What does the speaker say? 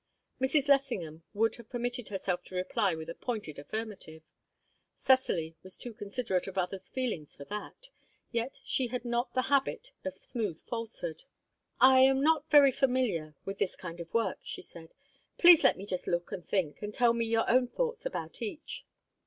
Mrs. Lessingham would have permitted herself to reply with a pointed affirmative. Cecily was too considerate of others' feelings for that, yet had not the habit of smooth falsehood. "I am not very familiar with this kind of work," she said. "Please let me just look and think, and tell me your own thoughts about each."